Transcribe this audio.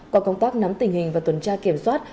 qua công tác nắm tình hình và tuần tra kiểm soát